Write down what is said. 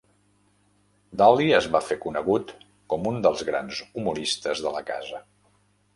Daly es va fer conegut com un dels grans humoristes de la casa.